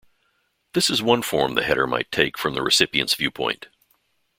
This is one form the header might take from the recipient's viewpoint.